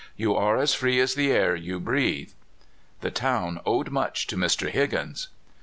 You are as free as the air you breathe." The town owed much to Mr. Higgins!